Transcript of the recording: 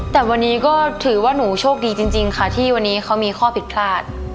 แต่วันนี้ก็ถือว่าหนูโชคดีจริงค่ะที่วันนี้เขามีข้อผิดพลาด